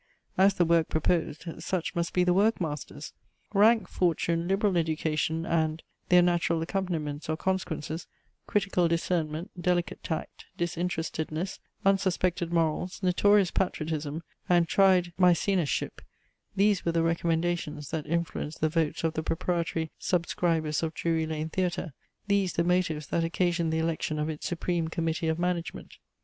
As the work proposed, such must be the work masters. Rank, fortune, liberal education, and (their natural accompaniments, or consequences) critical discernment, delicate tact, disinterestedness, unsuspected morals, notorious patriotism, and tried Maecenasship, these were the recommendations that influenced the votes of the proprietary subscribers of Drury Lane Theatre, these the motives that occasioned the election of its Supreme Committee of Management.